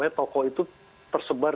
toko itu tersebar